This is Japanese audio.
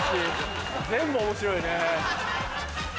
全部面白いね。